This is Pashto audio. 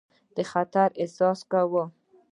د خطر احساس کاوه.